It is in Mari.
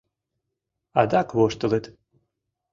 Адак воштылыт.